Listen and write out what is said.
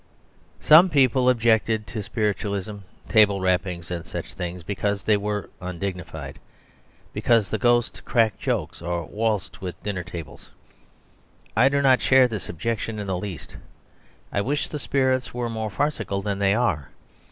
..... Some people objected to spiritualism, table rappings, and such things, because they were undignified, because the ghosts cracked jokes or waltzed with dinner tables. I do not share this objection in the least. I wish the spirits were more farcical than they are.